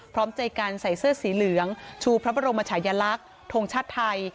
พร้อมใจกันใส่เสื้อสีเหลืองชูพระบรมชายลักษณ์ทงชาติไทย